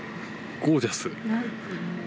ゴージャス？